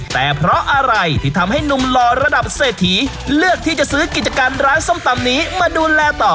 แต่เพราะอะไรที่ทำให้หนุ่มหล่อระดับเศรษฐีเลือกที่จะซื้อกิจการร้านส้มตำนี้มาดูแลต่อ